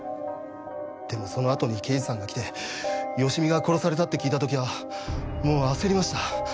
でもそのあとに刑事さんが来て芳美が殺されたって聞いた時はもう焦りました。